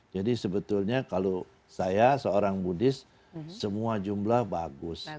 jadi sebetulnya kalau saya seorang buddhis semua jumlah bagus